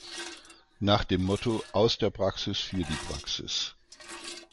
Nach dem Motto „aus der Praxis für die Praxis“.